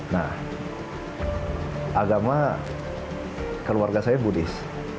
nah agama keluarga saya buddhis